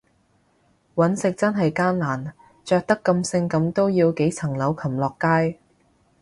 搵食真係艱難，着得咁性感都要幾層樓擒落街